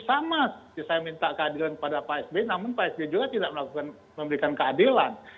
sama saya minta keadilan kepada pak sbi namun pak sbi juga tidak memberikan keadilan